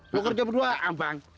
lo kerja berdua bang